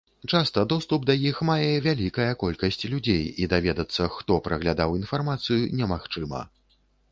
Часта доступ да іх мае вялікая колькасць людзей і даведацца, хто праглядаў інфармацыю, немагчыма.